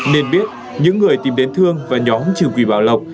nên biết những người tìm đến thương và nhóm trừ quỷ bảo lộc